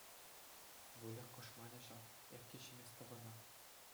Выльӑх кӑшманӗ ҫав! Эп те ҫиместӗп ӑна!